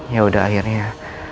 ya udah akhirnya